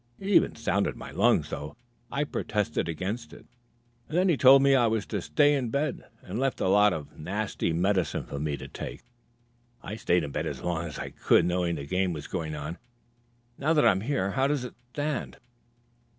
He even sounded my lungs, though I protested against it. And then he told me I was to stay in bed, and left a lot of nasty medicine for me to take. I stayed in bed as long as I could, knowing this game was going on. Now that I'm here, how does it stand?"